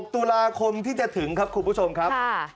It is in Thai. ตุลาคมที่จะถึงครับคุณผู้ชมครับ